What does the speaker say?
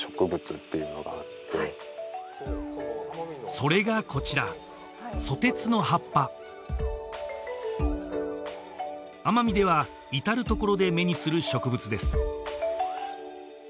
それがこちら奄美では至る所で目にする植物です